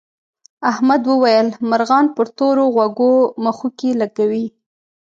احمد وویل مرغان پر تور غوږو مښوکې لکوي.